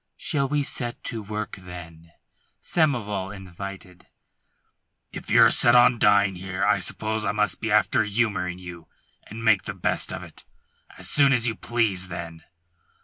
"Shall we get to work, then?" Samoval invited. "If you're set on dying here, I suppose I must be after humouring you, and make the best of it. As soon as you please, then."